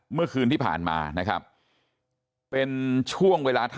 เมื่อคืนที่ผ่านมานะครับเป็นช่วงเวลา